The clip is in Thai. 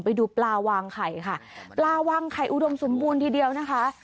ไปดูปลาวางไข่ค่ะปลาวางไข่อุดมสมบูรณ์ทีเดียวนะคะ